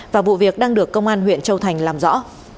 và vụ việc đang được công an huyện châu thành làm rõ